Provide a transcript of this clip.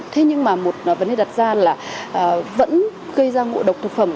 thế nhưng mà một vấn đề đặt ra là vẫn gây ra ngộ độc thực phẩm